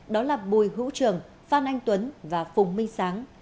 đó là bùi hữu trường phan anh tuấn và phùng minh sáng